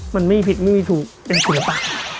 มันไม่ผิดไม่มีถูกเป็นศิลปะ